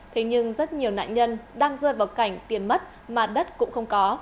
thế nhưng rất nhiều nạn nhân đang rơi vào cảnh tiền mất mà đất cũng không có